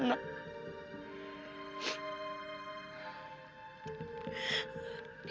dia akan jatuh